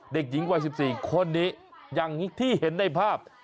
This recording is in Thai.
เด็กหญิงวัย๑๔คนนี้อย่างที่เห็นในภาพ